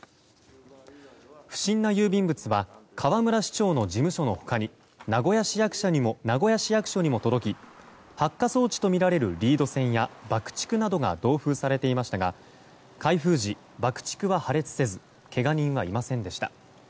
不審な郵便物は河村市長の事務所の他に名古屋市役所にも届き発火装置とみられるリード線や爆竹などが同封されていましたが開封時、爆竹は破裂せずけが人はいませんでした。